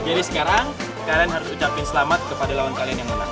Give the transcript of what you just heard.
jadi sekarang kalian harus ucapin selamat kepada lawan kalian yang menang